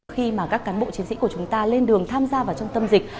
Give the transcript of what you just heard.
khi mà các cán bộ chiến sĩ của chúng ta lên đường tham gia vào trung tâm dịch